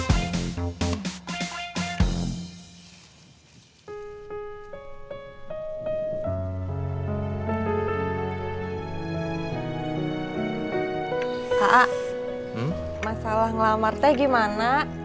kakak masalah ngelamatnya gimana